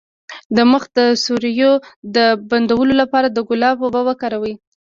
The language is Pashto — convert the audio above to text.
د مخ د سوریو د بندولو لپاره د ګلاب اوبه وکاروئ